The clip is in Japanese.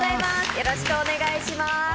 よろしくお願いします。